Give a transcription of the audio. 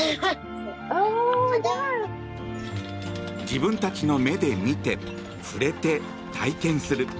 自分たちの目で見て、触れて体験する。